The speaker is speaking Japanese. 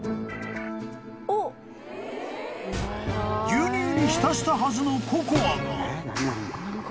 ［牛乳に浸したはずのココアが］